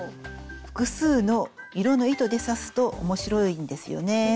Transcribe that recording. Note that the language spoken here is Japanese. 複数の色の糸で刺すと面白いんですよね。